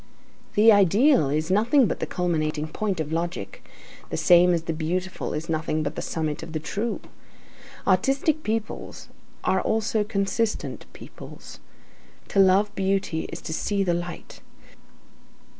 The ideal is nothing but the culminating point of logic, the same as the beautiful is nothing but the summit of the true. Artistic peoples are also consistent peoples. To love beauty is to see the light.